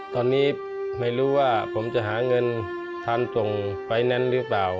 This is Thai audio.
ตอนนี้ไม่รู้ว่าผมจะหาเงินทันส่งไฟแนนซ์หรือเปล่า